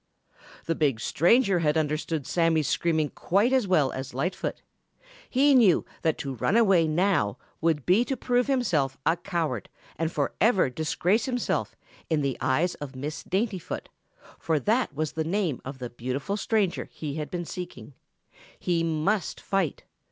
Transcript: The big stranger had understood Sammy's screaming quite as well as Lightfoot. He knew that to run away now would be to prove himself a coward and forever disgrace himself in the eyes of Miss Daintyfoot, for that was the name of the beautiful stranger he had been seeking. He must fight.